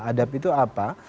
adab itu apa